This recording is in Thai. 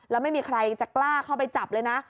แล้วไม่มีใครจะกล้าเข้าไปจับเลยนะ